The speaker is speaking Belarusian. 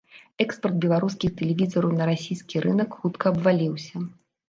Экспарт беларускіх тэлевізараў на расійскі рынак хутка абваліўся.